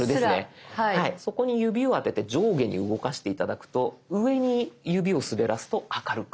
そこに指を当てて上下に動かして頂くと上に指を滑らすと明るく。